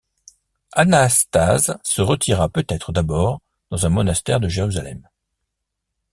Anastase se retira peut-être d'abord dans un monastère de Jérusalem.